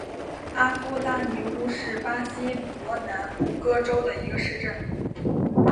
阿夫拉尼乌是巴西伯南布哥州的一个市镇。